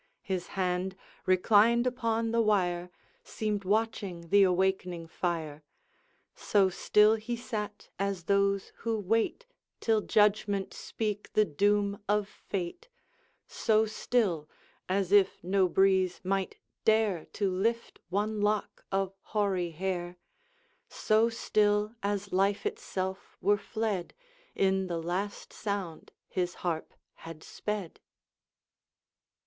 His hand, reclined upon the wire, Seemed watching the awakening fire; So still he sat as those who wait Till judgment speak the doom of fate; So still, as if no breeze might dare To lift one lock of hoary hair; So still, as life itself were fled In the last sound his harp had sped.